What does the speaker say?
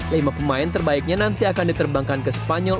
lima pemain terbaiknya nanti akan diterbangkan ke spanyol